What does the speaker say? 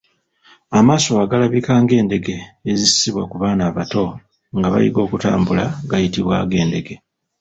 Amaaso agalabika ng’endege ezissibwa ku baana abato nga bayiga okutambula gayitibwa ag’endege.